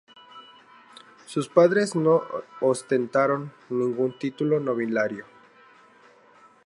Sus padres no ostentaron ningún título nobiliario.